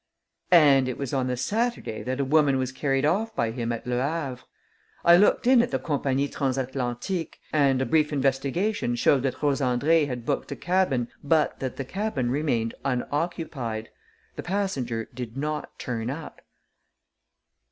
"And it was on the Saturday that a woman was carried off by him at Le Havre. I looked in at the Compagnie Transatlantique and a brief investigation showed that Rose Andrée had booked a cabin but that the cabin remained unoccupied. The passenger did not turn up."